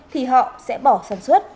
thì họ sẽ bỏ sản xuất